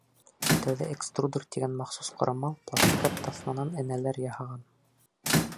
Тәүҙә экструдер тигән махсус ҡорамал пластикат таҫманан энәләр яһаған.